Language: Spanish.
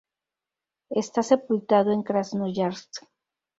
Está sepultado en Krasnoyarsk.